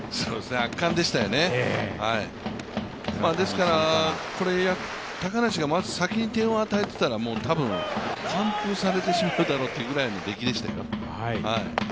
圧巻でしたよね、ですから高梨がまず先に点を与えていたら、たぶん完封されてしまうだろうというぐらいの出来でしたよ。